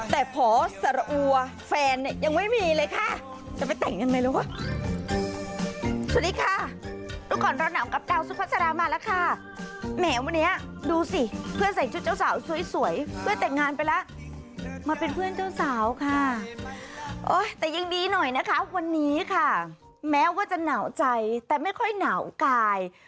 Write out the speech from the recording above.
แต่ยังดีหน่อยนะคะวันนี้ค่ะแม้ว่าจะหนาวใจแต่ไม่ค่อยหนาวกาย